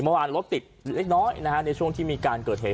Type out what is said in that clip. หรือเล็กน้อยในช่วงที่มีการเกิดเหตุ